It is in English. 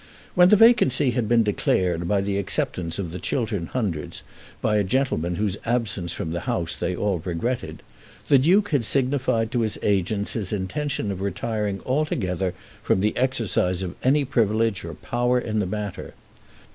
When the vacancy had been declared by the acceptance of the Chiltern Hundreds by a gentleman whose absence from the House they all regretted, the Duke had signified to his agents his intention of retiring altogether from the exercise of any privilege or power in the matter.